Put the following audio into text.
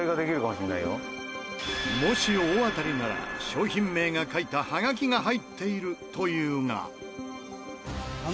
もし大当たりなら商品名が書いたハガキが入っているというが。